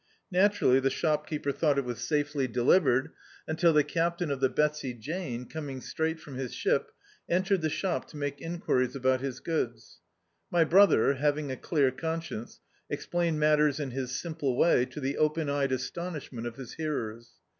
Naturally the shopkeeper thou^t D,i.,.db, Google Youth it was safely delivered, until the captain of the Betsy Jane^ coming straight frCHn his ship, entered the shop to make enquiries about his goods. My brother, having a clear conscience, explained mat ters in his simple way to the open eyed astonish ment of his hearers.